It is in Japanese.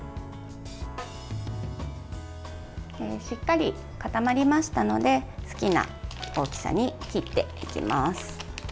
しっかり固まりましたので好きな大きさに切っていきます。